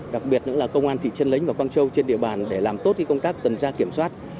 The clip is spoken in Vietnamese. đặc biệt là công an thị trấn nánh và quang châu trên địa bàn để làm tốt công tác tần gia kiểm soát